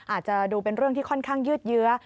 อาจจะดูเป็นเรื่องที่ค่อนข้างยืดเยื้อ